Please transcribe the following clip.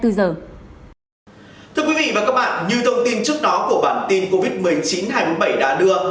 thưa quý vị và các bạn như thông tin trước đó của bản tin covid một mươi chín hai trăm bốn mươi bảy đã đưa